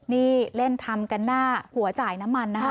นี่เล่นทำกันหน้าหัวจ่ายน้ำมันนะคะ